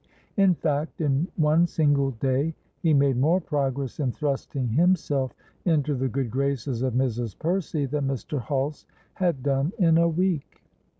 In fact, in one single day he made more progress in thrusting himself into the good graces of Mrs. Percy than Mr. Hulse had done in a week.